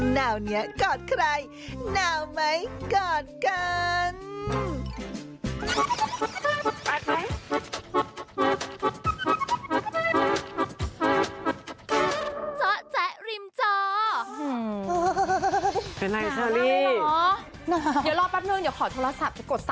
นาวเนี่ยกอดใคร